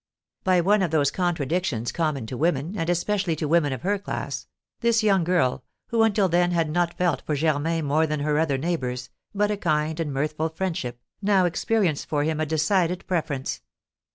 By one of those contradictions common to women, and especially to women of her class, this young girl, who until then had not felt for Germain more than her other neighbours, but a kind and mirthful friendship, now experienced for him a decided preference.